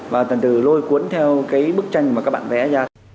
và tần từ lôi cuốn theo cái bức tranh mà các bạn vẽ ra